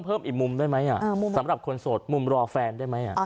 เพิ่มอีกมุมได้ไหมสำหรับคนโสดมุมรอแฟนได้ไหม